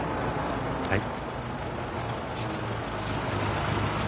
はい。